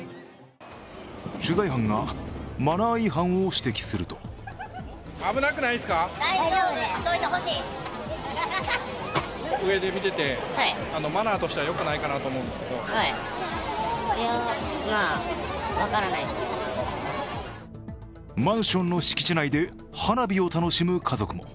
取材班がマナー違反を指摘するとマンションの敷地内で花火を楽しむ家族も。